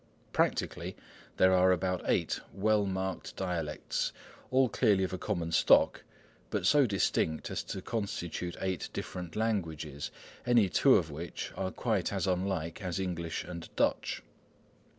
Practically, there are about eight well marked dialects, all clearly of a common stock, but so distinct as to constitute eight different languages, any two of which are quite as unlike as English and Dutch.